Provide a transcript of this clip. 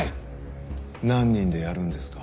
「何人でやるんですか？」。